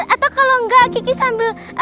atau kalau enggak kiki sambil